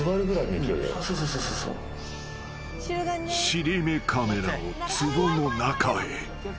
［尻目カメラをつぼの中へ］